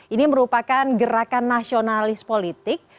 ini merupakan gerakan nasionalis politik